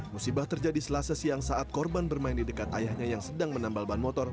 musibah terjadi selasa siang saat korban bermain di dekat ayahnya yang sedang menambal ban motor